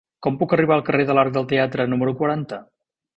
Com puc arribar al carrer de l'Arc del Teatre número quaranta?